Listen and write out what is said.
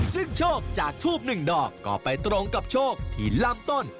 ซึ่งโชคจากทูบหนึ่งดอกก็ไปตรงกับโชคที่ลำต้น